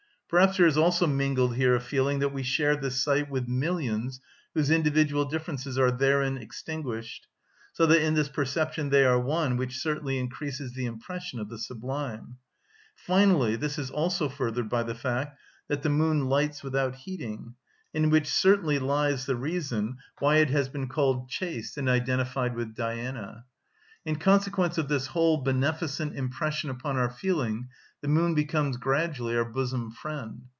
Perhaps there is also mingled here a feeling that we share this sight with millions, whose individual differences are therein extinguished, so that in this perception they are one, which certainly increases the impression of the sublime. Finally, this is also furthered by the fact that the moon lights without heating, in which certainly lies the reason why it has been called chaste and identified with Diana. In consequence of this whole beneficent impression upon our feeling, the moon becomes gradually our bosom friend.